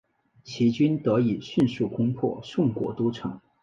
齐军得以迅速攻破宋国都城。